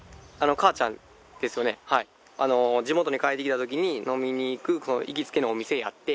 地元に帰ってきた時に飲みに行く行きつけのお店やって。